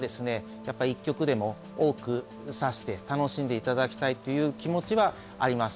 やっぱり一局でも多く指して楽しんでいただきたいという気持ちはあります。